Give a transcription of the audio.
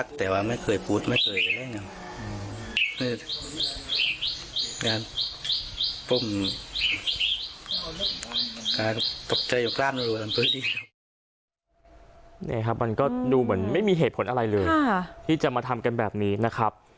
นี่ครับมันก็ดูเหมือนไม่มีเหตุผลอะไรเลยที่จะมาทำกันแบบนี้นะครับ